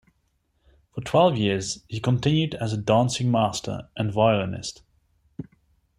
For twelve years he continued as a dancing master and violinist.